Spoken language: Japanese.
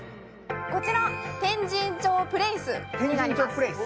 こちら天神町ｐｌａｃｅになります。